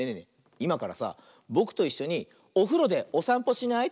いまからさぼくといっしょにおふろでおさんぽしない？